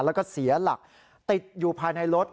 แล้วก็เสียหลักติดอยู่ภายในรถ